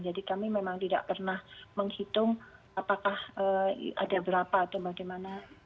jadi kami memang tidak pernah menghitung apakah ada berapa atau bagaimana